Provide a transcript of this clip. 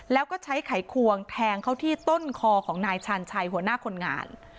แล้วก็ใช้ไขควงแทงเขาที่ต้นคอของนายชาญชัยหัวหน้าคนงาน